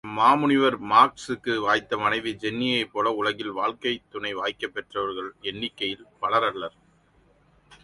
மாமுனிவர் மார்க்சுக்கு வாய்த்த மனைவி ஜென்னியைப் போல உலகில் வாழ்க்கைத் துணை வாய்க்கப் பெற்றவர்கள் எண்ணிக்கையில் பலர் அல்லர்.